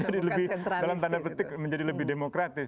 dalam tanda betik menjadi lebih demokratis